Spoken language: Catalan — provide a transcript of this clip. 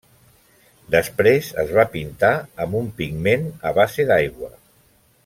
Després es va pintar amb un pigment a base d'aigua.